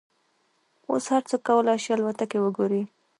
اوس هر څوک کولای شي الوتکې وګوري.